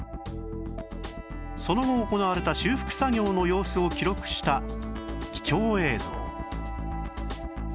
その後行われた修復作業の様子を記録した貴重映像